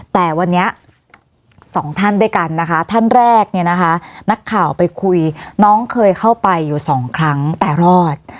แต่วันนี้สองท่านด้วยกันนะคะท่านแรกเนี่ยนะคะนักข่าวไปคุยน้องเคยเข้าไปอยู่สองครั้งแต่รอด